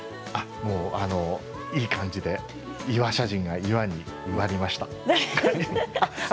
いい感じでイワシャジンが岩に植わりました。